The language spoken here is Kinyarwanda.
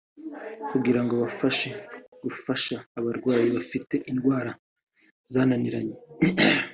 kugirango babashe gufasha abarwayi bafite indwara zananiranye